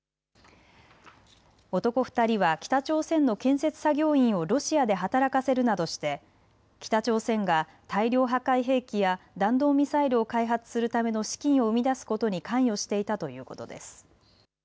男２人は北朝鮮の建設作業員をロシアで働かせるなどして北朝鮮が大量破壊兵器や弾道ミサイルを開発するための資金を生み出すことに関与していたということです。